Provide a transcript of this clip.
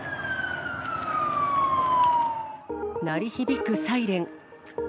鳴り響くサイレン。